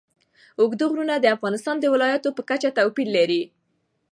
اوږده غرونه د افغانستان د ولایاتو په کچه توپیر لري.